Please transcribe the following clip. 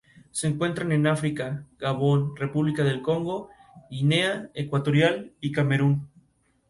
Las polillas adultas, diurnas, eclosionan en primavera.